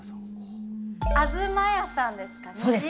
あづま屋さんですかね。